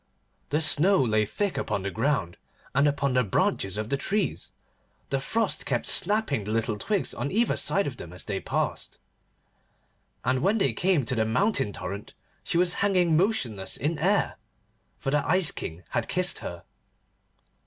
The snow lay thick upon the ground, and upon the branches of the trees: the frost kept snapping the little twigs on either side of them, as they passed: and when they came to the Mountain Torrent she was hanging motionless in air, for the Ice King had kissed her.